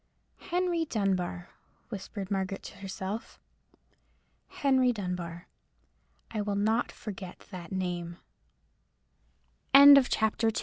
"Henry Dunbar," whispered Margaret to herself—"Henry Dunbar. I will not forget that name." CHAPTER III.